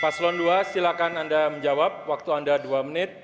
paslon ii silakan anda menjawab waktu anda dua menit